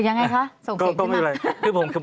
ยังไงคะส่งศิลป์ขึ้นมา